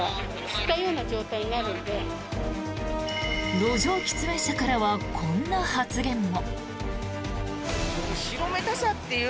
路上喫煙者からはこんな発言も。